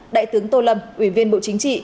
đại tướng tô lâm ủy viên bộ chính trị